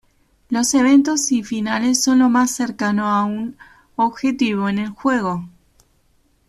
Los eventos y finales son lo más cercano a un objetivo en el juego.